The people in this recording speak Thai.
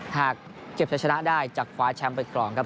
หากเก็บชนะชนะได้จากคว้าแชมป์เป็นกรองครับ